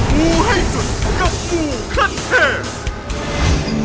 งูให้สุดกับงูขั้นเทพ